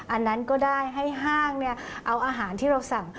อันนั้นก็ได้ให้ห้างเอาอาหารที่เราสั่ง